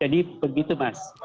jadi begitu mas